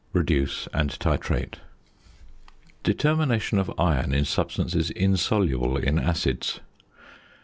Reduce and titrate. ~Determination of Iron in Substances Insoluble in Acids.